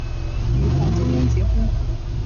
与黄宗英结婚。